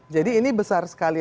jadi ini besar sekali